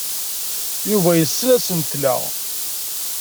Yuba yessen asentel-a.